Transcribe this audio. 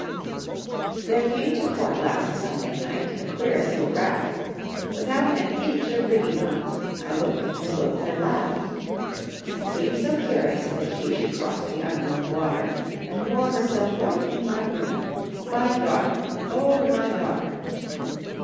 There came to port last Sunday night The queerest little craft, Without an inch of rigging on; I looked and looked and laughed. It seemed so curious that she Should cross the Unknown water, And moor herself right in my room, My daughter, O my daughter!